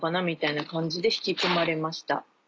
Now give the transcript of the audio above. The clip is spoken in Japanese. みたいな感じで引き込まれました。